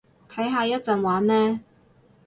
睇下一陣玩咩